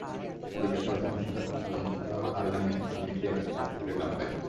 জিজ্ঞাসাবাদে মোরশেদ আলম আরও জানিয়েছিলেন, প্রথম স্ত্রী একবার তাঁর লক্ষ্মীপুরের গ্রামের বাড়িতে গিয়েছিল।